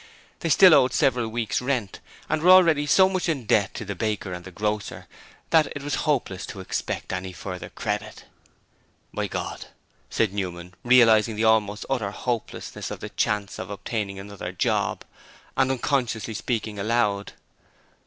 They still owed several weeks' rent, and were already so much in debt to the baker and the grocer that it was hopeless to expect any further credit. 'My God!' said Newman, realizing the almost utter hopelessness of the chance of obtaining another 'job' and unconsciously speaking aloud.